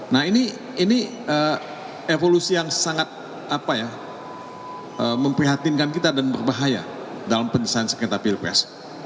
nah ini evolusi yang sangat memprihatinkan kita dan berbahaya dalam penyelesaian sengketa pilpres